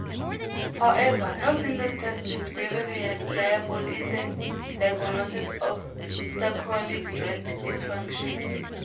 However no single test is very reliable in the diagnosis of sacroiliac joint dysfunction.